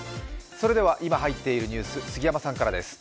それでは今入っているニュース、杉山さんからです。